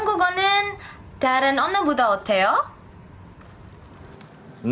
terutama apakah bahasa korea lebih sulit dari bahasa lain